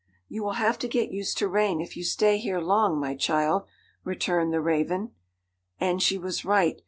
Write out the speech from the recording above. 'You will have to get used to rain if you stay here long, my child,' returned the Raven. And she was right.